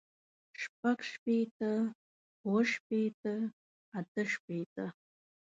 شپږ شپېته اووه شپېته اتۀ شپېته